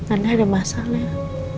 anda ada masalah ya